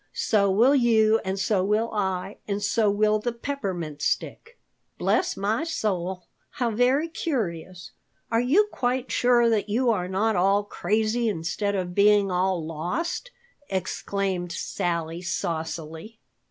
So will you and so will I and so will the Peppermint Stick." "Bless my soul, how very curious! Are you quite sure that you are not all crazy instead of being all lost?" exclaimed Sally saucily.